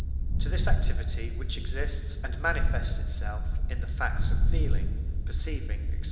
To this activity which exists and manifests itself in the facts of feeling, perceiving, &c.